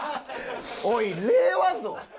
おい令和ぞ。